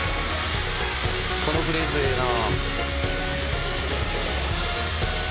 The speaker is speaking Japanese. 「このフレーズええな」